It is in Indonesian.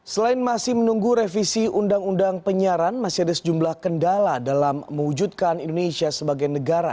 selain masih menunggu revisi undang undang penyiaran masih ada sejumlah kendala dalam mewujudkan indonesia sebagai negara